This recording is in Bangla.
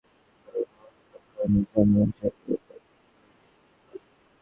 তবে লালনের আখড়া রক্ষার আন্দোলন সফল হয়নি, জনগণ সেভাবে সম্পৃক্ত হয়নি বলে।